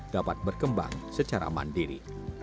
dapat berkembang secara mandiri